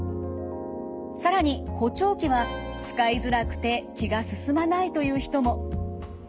更に補聴器は使いづらくて気が進まないという人も。